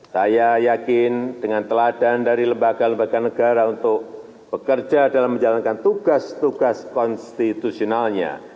saya yakin dengan teladan dari lembaga lembaga negara untuk bekerja dalam menjalankan tugas tugas konstitusionalnya